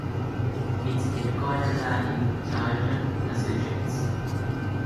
Its headquarters are in Charlton, Massachusetts.